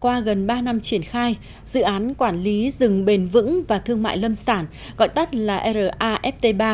qua gần ba năm triển khai dự án quản lý rừng bền vững và thương mại lâm sản gọi tắt là raft ba